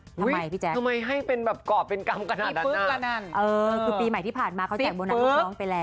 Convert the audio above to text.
ทำไมพี่แจ๊คทำไมให้เป็นแบบกรอบเป็นกรรมกันเออคือปีใหม่ที่ผ่านมาเขาแจกโบนัสไปแล้ว